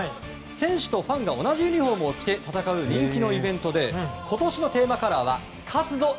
選手とファンが同じユニホームを着て戦う人気のイベントで今年のテーマカラーは「勝つぞー！